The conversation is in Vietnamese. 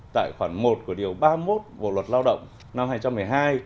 tại khoản một của điều ba mươi một bộ luật lao động năm hai nghìn một mươi hai